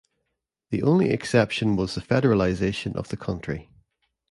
The only exception was the federalization of the country.